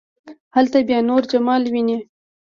هلته بیا نور جمال ويني.